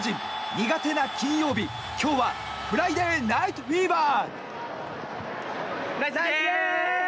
苦手の金曜日に今日はフライデーナイトフィーバー！